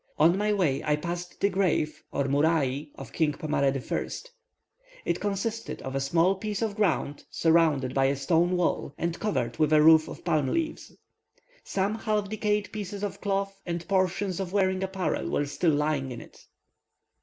On my way, I passed the grave, or murai, of King Pomare I. It consists of a small piece of ground, surrounded by a stone wall, and covered with a roof of palm leaves. Some half decayed pieces of cloth and portions of wearing apparel were still lying in it.